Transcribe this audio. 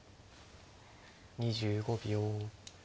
２５秒。